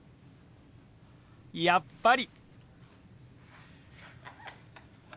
やっぱり！